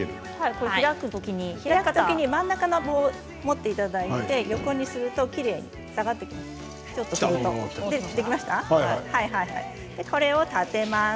開くときに、真ん中の棒を持っていただいて横にするときれいに下がっていきます。